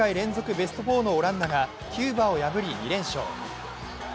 ベスト４のオランダがキューバを破り２連勝。